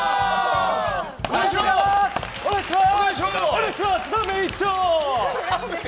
お願いします！